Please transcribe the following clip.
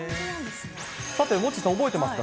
さて、モッチーさん、覚えてますか？